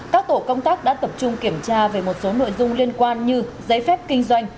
các tổ công tác đã tập trung kiểm tra về một số nội dung liên quan như giấy phép kinh doanh